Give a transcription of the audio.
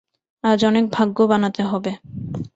আজ অনেক ভাগ্য বানাতে হবে!